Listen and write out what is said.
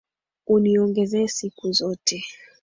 Uniongeze siku zote.